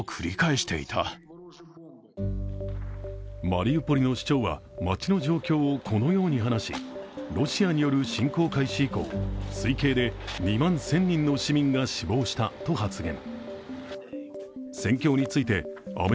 マリウポリの市長は街の状況をこのように話しロシアによる侵攻開始以降推計で２万１０００人の市民が死亡したと発言。